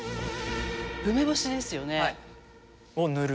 梅干しですよね？を塗る。